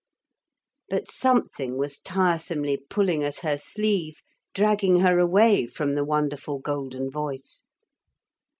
But something was tiresomely pulling at her sleeve, dragging her away from the wonderful golden voice.